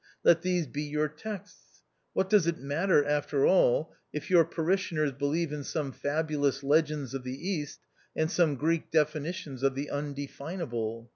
Let these be your texts. What does it matter, after all, if your parishioners believe in some fabulous legends of the East and some Greek definitions of the Undefinable